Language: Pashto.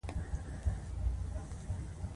څوک ورته کیه وایي او څوک ټسکوره. بوټي پرې وهل کېږي.